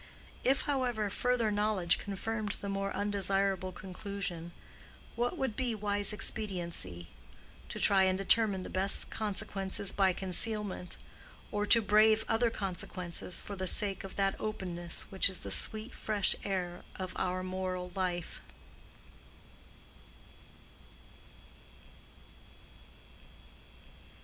If, however, further knowledge confirmed the more undesirable conclusion, what would be wise expediency?—to try and determine the best consequences by concealment, or to brave other consequences for the sake of that openness which is the sweet fresh air of our moral life.